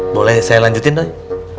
boleh saya lanjutin dong